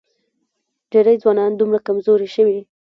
ډېری ځوانان دومره کمزوري شوي